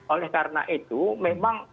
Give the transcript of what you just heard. oleh karena itu memang